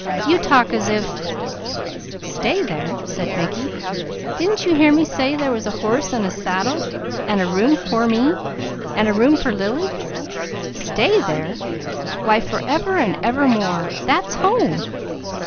You talk as if " "'Stay there?'" said Mickey. "Didn't you hear me say there was a horse and saddle and a room for me, and a room for Lily? 'Stay there!' Why for ever and ever more! That's _home!